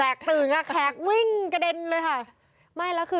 แตกตื่นหัดแขกวิ่งกระเด็นเลยค่ะ